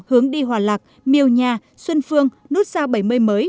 hướng đi hòa lạc miêu nha xuân phương nút sao bảy mươi mới